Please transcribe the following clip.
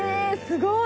すごい。